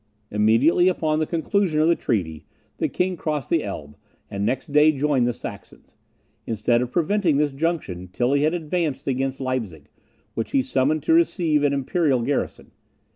Immediately upon the conclusion of the treaty, the king crossed the Elbe, and next day joined the Saxons. Instead of preventing this junction, Tilly had advanced against Leipzig, which he summoned to receive an imperial garrison.